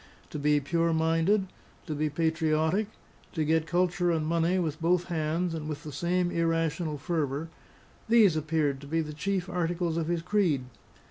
To be pure minded, to be patriotic, to get culture and money with both hands and with the same irrational fervour these appeared to be the chief articles of his creed.